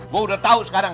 gue udah tau sekarang